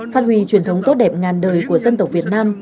phát huy truyền thống tốt đẹp ngàn đời của dân tộc việt nam